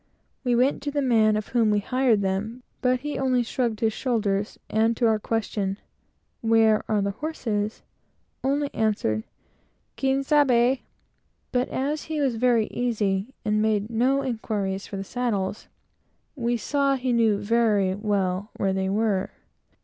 We went to the man of whom we hired them, but he only shrugged his shoulders, and to our question, "Where are the horses?" only answered "Quien sabe?" but as he was very easy, and made no inquiries for the saddles, we saw that he knew very well where they were.